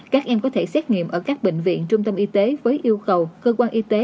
các em có thể xét nghiệm ở các bệnh viện trung tâm y tế với yêu cầu cơ quan y tế